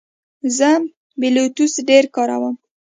زه بلوتوث ډېر کاروم.